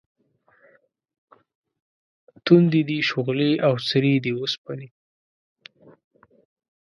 تُندې دي شغلې او سرې دي اوسپنې